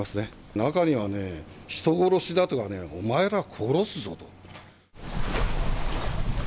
中にはね、人殺しだとかね、お前ら殺すぞと。